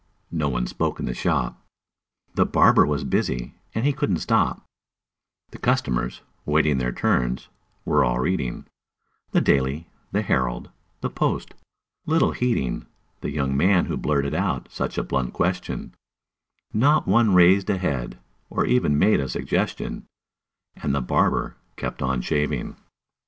No one spoke in the shop: The barber was busy, and he couldn't stop; The customers, waiting their turns, were all reading The "Daily," the "Herald," the "Post," little heeding The young man who blurted out such a blunt question; Not one raised a head, or even made a suggestion; And the barber kept on shaving.